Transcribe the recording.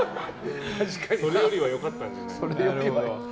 それよりは良かったんじゃない。